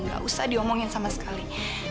gak usah diomongin sama sekali